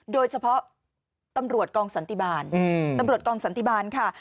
โดยเฉพาะตำรวจกองสันติบาลตำรวจกองสันติบาลค่ะ